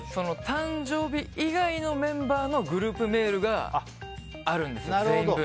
誕生日以外のメンバーのグループメールがあるんですよ